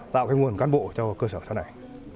tạo cái nguồn cán bộ cho cơ sở sau này